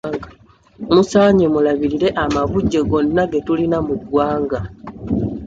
Musaanye mulabirire amabujje gonna ge tulina mu ggwanga.